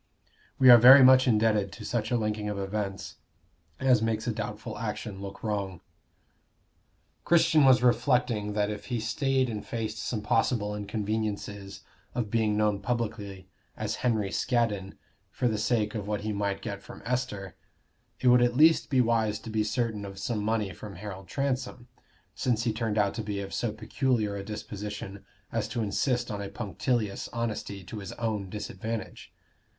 We are very much indebted to such a linking of events as makes a doubtful action look wrong. Christian was reflecting that if he stayed and faced some possible inconveniences of being known publicly as Henry Scaddon for the sake of what he might get from Esther, it would at least be wise to be certain of some money from Harold Transome, since he turned out to be of so peculiar a disposition as to insist on a punctilious honesty to his own disadvantage.